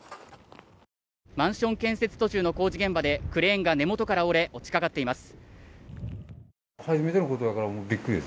マンション建設途中の工事現場で、クレーンが根元から折れ落ちかかっています。